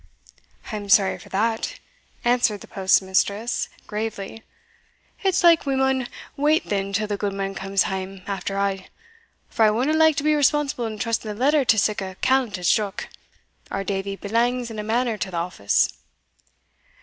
"I'm sorry for that," answered the postmistress, gravely; "it's like we maun wait then till the gudeman comes hame, after a' for I wadna like to be responsible in trusting the letter to sic a callant as Jock our Davie belangs in a manner to the office."